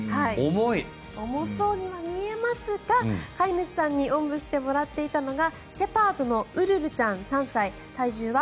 重そうには見えますが飼い主さんにおんぶしてもらっていたのがシェパードのウルルちゃん、３歳。